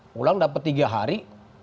pulang dapet tiga hari